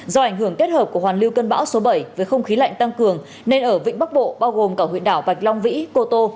do ảnh hưởng kết hợp của hoàn lưu cơn bão số bảy với không khí lạnh tăng cường nên ở vịnh bắc bộ bao gồm cả huyện đảo bạch long vĩ cô tô